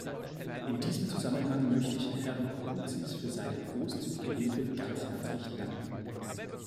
In diesem Zusammenhang möchte ich Herrn Papoutsis für seine großzügige Hilfe ganz herzlich danken.